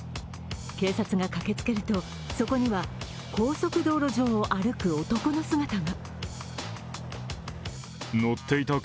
警察が駆けつけると、そこには高速道路上を歩く男の姿が。